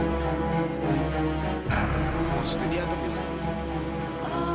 maksudnya dia apa bu